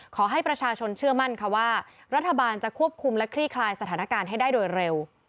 ขอให้ประชาชนเชื่อมั่นค่ะว่ารัฐบาลจะควบคุมและคลี่คลายสถานการณ์ให้ได้โดยเร็ว